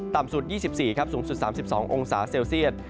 ต่ำสุด๒๔ครับสูงสุด๓๒องศาเซลเซียต